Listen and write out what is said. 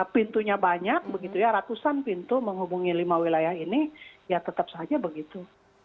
pintunya banyak begitu ya ratusan pintu menghubungi lima wilayah ini ya tetap saja begitu